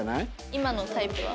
今のタイプは？